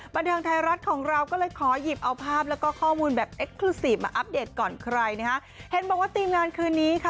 บันเทิงไทยรัฐของเราก็เลยขอหยิบเอาภาพแล้วก็ข้อมูลแบบเอ็กครูซีฟมาอัปเดตก่อนใครนะคะเห็นบอกว่าทีมงานคืนนี้ค่ะ